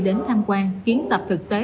đến thăm quan kiến tập thực tế